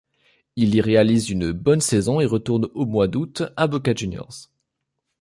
Il y réalise une bonne saison et retourne au mois d'août à Boca Juniors.